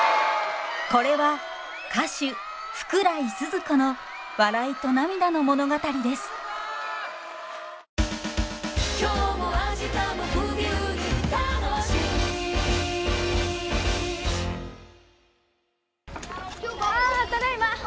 これは歌手福来スズ子の笑いと涙の物語ですあただいま。